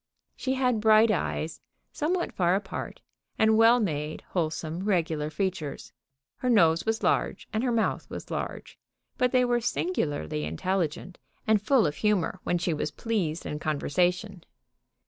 She had bright eyes, somewhat far apart, and well made, wholesome, regular features. Her nose was large, and her mouth was large, but they were singularly intelligent, and full of humor when she was pleased in conversation.